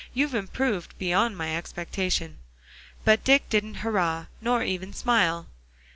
You've improved beyond my expectation." But Dick didn't "hurrah," nor even smile.